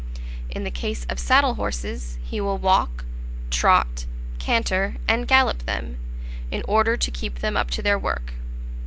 In the case of saddle horses he will walk, trot, canter, and gallop them, in order to keep them up to their work.